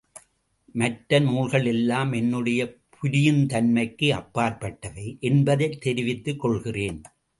மற்ற நூல்கள் எல்லாம் என்னுடைய புரியுந்தன்மைக்கு அப்பாற்பட்டவை என்பதைத் தெரிவித்துக் கொள்கிறேன்.